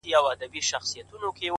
تر قیامته به یې حرف ویلی نه وای.!.!